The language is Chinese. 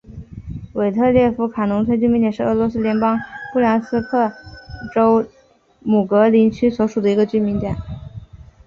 韦特列夫卡农村居民点是俄罗斯联邦布良斯克州姆格林区所属的一个农村居民点。